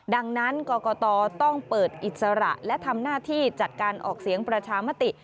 ดังนั้นกรกตต้องเปิดอิสระและทำหน้าที่จัดการออกเสียงประชามติ